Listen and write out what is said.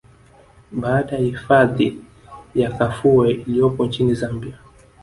Baada ya hifadhi ya Kafue iliyopo nchini Zambia